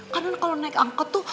karena kalau naik angkot tuh